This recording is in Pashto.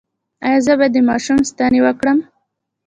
ایا زه باید د ماشوم سنتي وکړم؟